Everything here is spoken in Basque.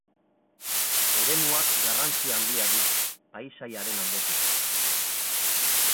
Eremuak garrantzi handia du, paisaiaren aldetik.